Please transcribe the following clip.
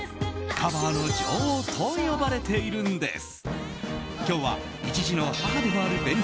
カバーの女王と呼ばれているんです。